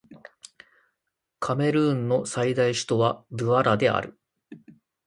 カメルーンの最大都市はドゥアラである